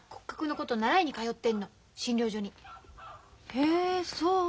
へえそう。